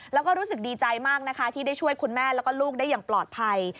แล้วก็รู้สึกดีใจมากนะคะที่ได้ช่วยคุณแม่แล้วก็ลูกได้อย่างปลอดภัย